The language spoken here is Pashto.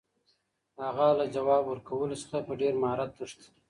هغه له ځواب ورکولو څخه په ډېر مهارت تښتي.